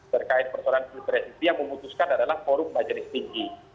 terkait persoalan pilpres itu yang memutuskan adalah forum majelis tinggi